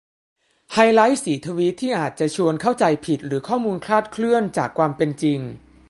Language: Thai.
ไฮไลต์สีทวีตที่อาจจะชวนเข้าใจผิดหรือข้อมูลคลาดเคลื่อนจากความเป็นจริง